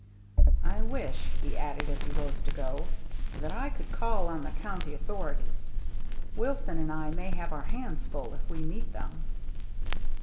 " I wish," he added, as he rose to go, " that I could call on the county authorities. Wilson and I may have our hands foil if we meet them."